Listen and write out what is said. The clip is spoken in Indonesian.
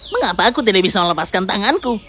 mengapa aku tidak bisa melepaskan tanganku